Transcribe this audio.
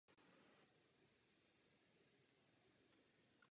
Je autorem osmi knih.